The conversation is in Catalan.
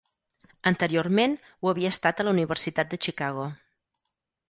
Anteriorment ho havia estat a la Universitat de Chicago.